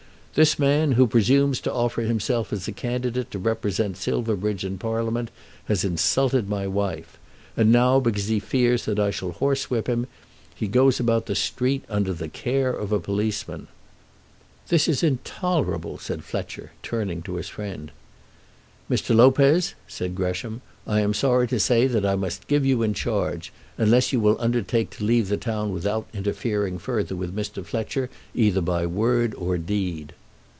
"This man who presumes to offer himself as a candidate to represent Silverbridge in Parliament has insulted my wife. And now, because he fears that I shall horsewhip him, he goes about the street under the care of a policeman." "This is intolerable," said Fletcher, turning to his friend. "Mr. Lopez," said Gresham. "I am sorry to say that I must give you in charge; unless you will undertake to leave the town without interfering further with Mr. Fletcher either by word or deed."